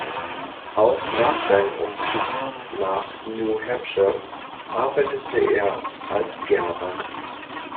Auch nach seinem Umzug nach New Hampshire arbeitete er als Gerber.